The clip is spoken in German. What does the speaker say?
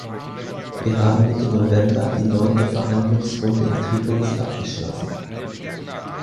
Wir haben Mitte November die neunte Verhandlungsrunde in Tripolis abgeschlossen.